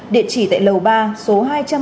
địa chỉ tại lầu ba số hai trăm một mươi hai